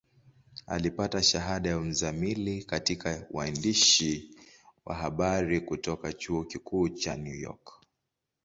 Alipata shahada ya uzamili katika uandishi wa habari kutoka Chuo Kikuu cha New York.